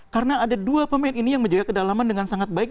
karena ada dua pemain ini yang menjaga kedalaman dengan sangat baik